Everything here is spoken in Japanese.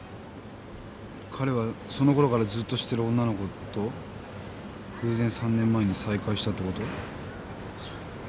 彼はそのころからずっと知ってる女の子と偶然３年前に再会したってこと？